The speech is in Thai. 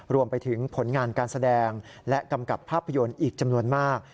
รวมไปถึงผลงานการแสดงและกำกับภาพยนตร์อีกจำนวนมาก